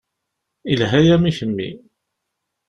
Yelha-yam i kemmi.